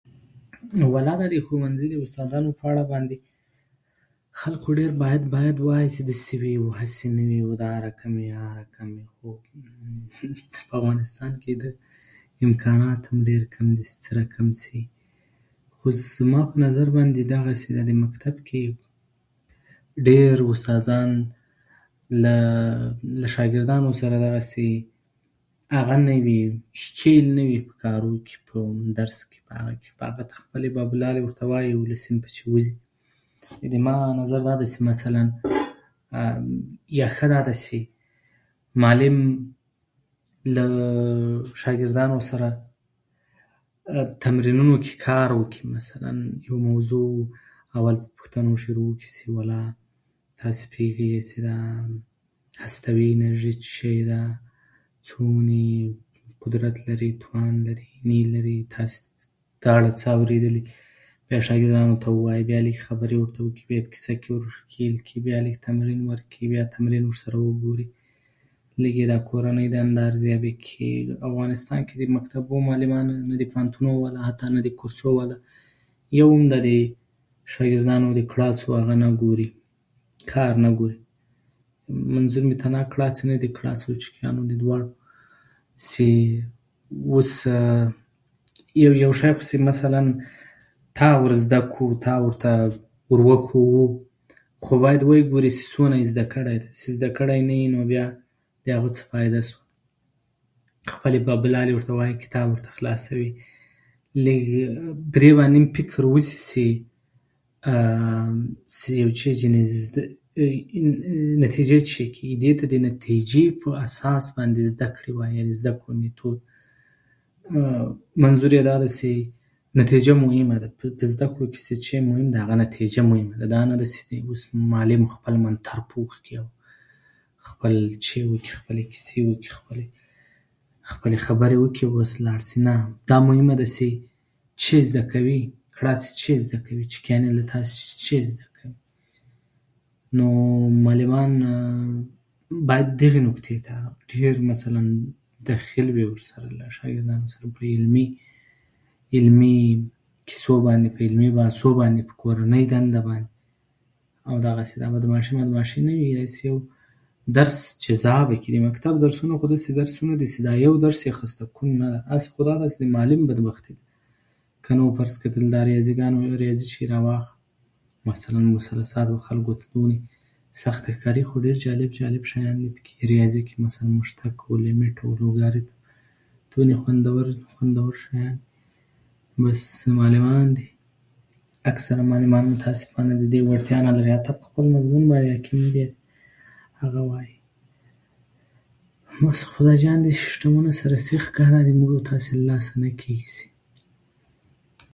ولا دا د ښوونځي د استادانو په اړه باندې خلکو ډېر باید باید وايي چې داسې وي، داسې نه وي، او دغه رقم وي، هغه رقم وي. خو په افغانستان کې امکانات هم ډېر کم دي چې څه رقم شي. خو زما په نظر باندې دغسې په مکتب کې ډېر استادان له له شاګردانو سره دغسې هغه نه وي، ښکېل نه وي په کارو کې، په درس کې، په هغه کې، په هغه کې خپلې ببولالې ورته وايي چې صنفه چې وځي. یعنې زما نظر دا ده چې مثلاً، یا ښه دا ده چې معلم له شاګردانو سره تمرینونو کې کار وکړي. مثلاً یو موضوع اول له پوښتنو شروع وکړي چې ولا تاسې پوهېږئ چې دا هستوي انرژي څه شی ده؟ څومره قدرت لري؟ څومره توان لري؟ نه یې لري؟ تاسې یې په اړه څه اورېدلي؟ بیا شاګردانو ته ووايي، بیا لږې خبرې ورته وکړي، بیا یې په کیسه کې ورښکېل کړي، بیا لږ تمرین ورکړي، بیا تمرین ورسره وګوري، لږ یې دا کورنۍ دنده ارزیابي کړي. افغانستان کې د مکتبونو معلمان، نه د پوهنتونونو حتی، او نه د کورسو، ولا یو هم په دې شیانو کار نه ګوري. منظور نه دي چې اوس یو یو شی چې مثلاً تا ورزده کړو، تا ورښودو، خو باید ویې ګوري چې څومره یې زده کړی ده. چې زده کړی یې نه وي، نو بیا د هغه څه فایده شوه؟ خپلې بابولالې ورته وايي، کتاب ورته خلاصوي، لږ په دې باندې فکر وشي چې چې یو څه شی ورڅینې زده کړي، نتیجه یې څه شی کېږي؟ دې ته نتیجې په اساس زده کړې وايي. یعنې د زده کړو میتود منظور یې دا دی چې نتیجه مهمه ده په زده کړو کې. چې څه شی مهمه ده؟ هغه نتیجه مهمه ده. دا نه ده چې دا اوس معلم خپل منتر پوخ کړي او خپل چې وکړي، خپلې کیسې وکړي او خپلې خبرې وکړي، او اوس لاړ شي. نه، دا مهم نه ده چې څه زده کوي که [unintelligible] څه زده کوي، تاسې څه زده کوی. نو معلمان باید دغې نقطې ته ژر باید دخیل ورسره، له شاګردانو سره په علمي، په علمي کیسو باندې، په علمي بحثو باندې، په کورنۍ دنده باندې، او دغسې دا بدمعاشي بدمعاشي نه وي. داسې یو درس چې [unintelligible] پکې وي. مکتب درسونه خو داسې درسونه دي چې دا یو درس یې خسته کن نه ده، هسې خو دا ده چې د معلم بدبختي ده. که مو فرض کړه [unintelligible] ریاضي څه راواخلو، مثلاً [unintelligible] خلکو ته ووايي سخته ښکاري، خو ډېر جالب جالب شیان دي پکې. ریاضي کې مثلاً مشتق او لیمېټ او لوګاریتم ټول خوندور خوندور شیان دي. بس معلمان دي، اکثره معلمان متأسفانه د دې وړتیا نه لري، حتی په خپل [unintelligible] هغه وايي اوس [unintelligible] سیسټمونو سره سیخ ښکاري. موږ او تاسې له لاسه نه کېږي چې